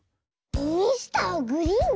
ミスターグリーン⁉